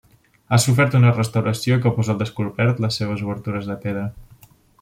Ha sofert una restauració que posa al descobert les seves obertures de pedra.